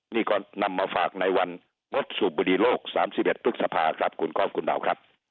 นี่ก็นำมาฝากในวันงดสูบบุรีโลก๓๑พฤษภาครับคุณก๊อฟคุณดาวครับ